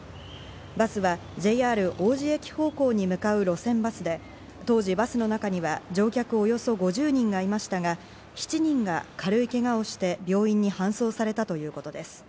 バスはＪＲ王子駅方向に向かう路線バスで、当時、バスの中には乗客およそ５０人がいましたが、７人が軽いけがをして病院に搬送されたということです。